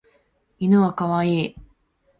犬はかわいい